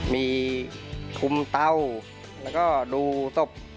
มีคุมเตาแล้วก็ดูศพ